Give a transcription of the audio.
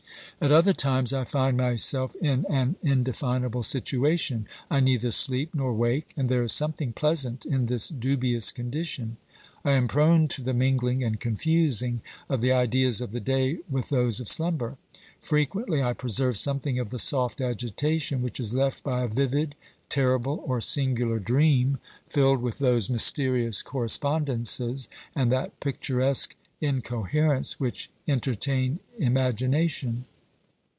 OBERMANN 363 At other times I find myself in an indefinable situation — I neither sleep nor wake, and there is something pleasant in this dubious condition. I am prone to the mingling and confusing of the ideas of the day with those of slumber. Frequently I preserve something of the soft agitation which is left by a vivid, terrible, or singular dream filled with those mysterious correspondences and that picturesque incoher ence which entertain imagination.